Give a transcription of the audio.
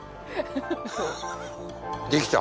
できた！